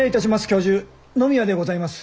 教授野宮でございます。